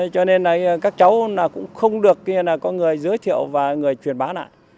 cho nên các cháu cũng không được có người giới thiệu và người truyền bá lại